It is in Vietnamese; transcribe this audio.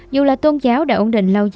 dù là tôn giáo đã ổn định lâu dài